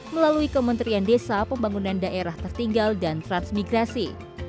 melalui kementerian desa pembangunan daerah tertinggal dan transmigrasi